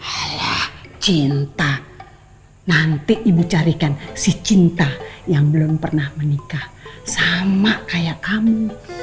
saya cinta nanti ibu carikan si cinta yang belum pernah menikah sama kayak kamu